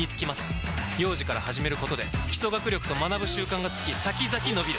幼児から始めることで基礎学力と学ぶ習慣がつき先々のびる！